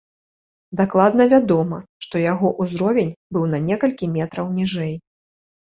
Дакладна вядома, што яго ўзровень быў на некалькі метраў ніжэй.